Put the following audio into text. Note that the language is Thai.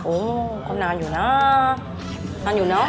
คงนานอยู่นะนานอยู่เนอะ